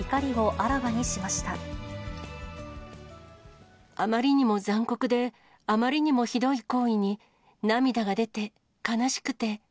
あまりにも残酷で、あまりにもひどい行為に、涙が出て、悲しくて。